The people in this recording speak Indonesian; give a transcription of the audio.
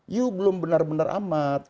yuk belum benar benar amat